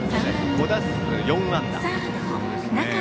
５打数４安打。